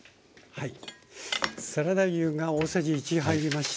はい。